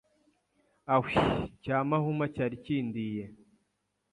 Ahwiii! Cya mahuma cyari kindiye!